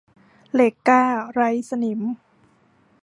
เหล็กกล้าไร้สนิม